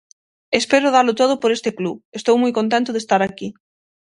Espero dalo todo por este club, estou moi contento de estar aquí.